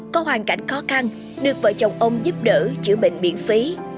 có hoàn cảnh khó khăn được vợ chồng ông giúp đỡ chữa bệnh miễn phí